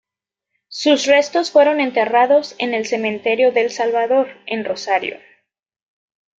Sus restos fueron enterrados en el Cementerio del Salvador, en Rosario.